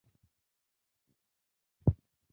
অবশ্যই না, স্যার।